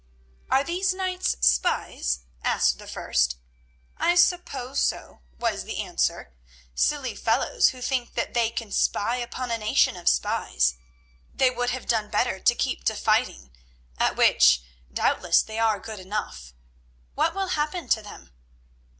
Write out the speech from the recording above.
"Are these knights spies?" asked the first. "I suppose so," was the answer, "silly fellows who think that they can spy upon a nation of spies. They would have done better to keep to fighting, at which, doubtless, they are good enough. What will happen to them?"